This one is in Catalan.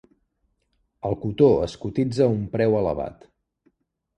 El cotó es cotitza a un preu elevat.